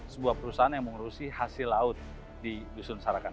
sebuah perusahaan yang mengurusi hasil laut di dusun sarakan